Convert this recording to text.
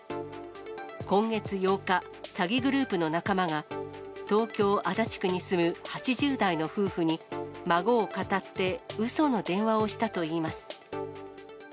今月８日、詐欺グループの仲間が東京・足立区に住む８０代の夫婦に孫をかたってうその電話をしたといいます。